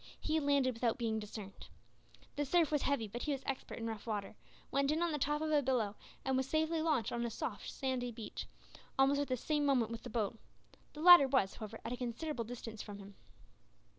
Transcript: He landed without being discerned. The surf was heavy, but he was expert in rough water, went in on the top of a billow, and was safely launched on a soft sandy beach, almost at the same moment with the boat. The latter was, however, at a considerable distance from him.